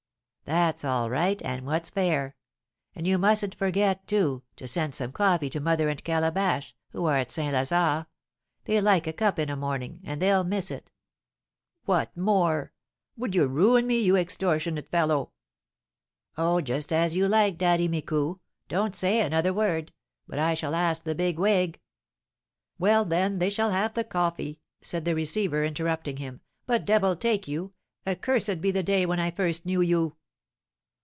"That's all right, and what's fair. And you mustn't forget, too, to send some coffee to mother and Calabash, who are at St. Lazare; they like a cup in a morning, and they'll miss it." "What more? Would you ruin me, you extortionate fellow?" "Oh, just as you like, Daddy Micou, don't say another word, but I shall ask the big wig " "Well, then, they shall have the coffee," said the receiver, interrupting him. "But devil take you! Accursed be the day when I first knew you!"